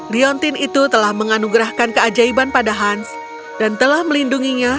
liontin itu telah menganugerahkan keajaiban pada hans dan telah melindunginya